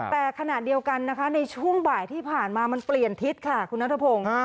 แต่ขณะเดียวกันนะคะในช่วงบ่ายที่ผ่านมามันเปลี่ยนทิศค่ะคุณนัทพงศ์